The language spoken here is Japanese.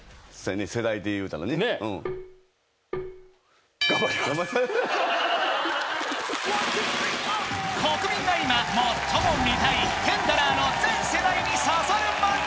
世代で言うたらねねえ国民が今最も見たいテンダラーの全世代に刺さる漫才